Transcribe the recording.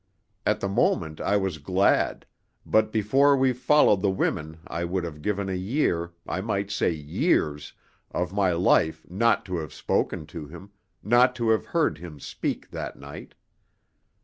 At the moment I was glad, but before we followed the women I would have given a year I might say years of my life not to have spoken to him, not to have heard him speak that night.